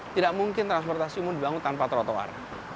tidak mungkin transportasi umum dibangun tanpa trotoar